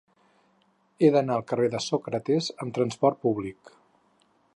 He d'anar al carrer de Sòcrates amb trasport públic.